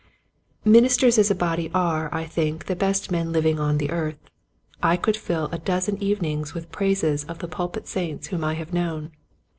Ministers as a body are I think the best men living on the earth. I could fill a dozen evenings with praises of the pulpit saints whom I have known.